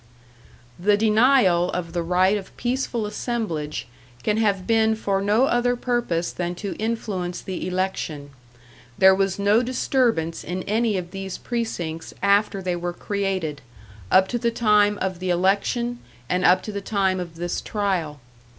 "The denial of the right of peaceful assemblage, can have been for no other purpose than to influence the election. There was no disturbance in any of these precincts after they were created, up to the time of the election, and up to the time of this trial.